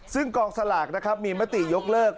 ซึ่งกองสลากนะครับมีมติยกเลิก